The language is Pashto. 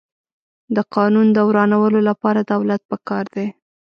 د قانون د ورانولو لپاره دولت پکار دی.